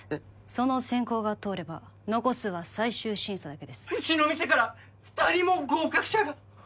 その選考が通れば残すは最終審査だけですうちの店から二人も合格者が！？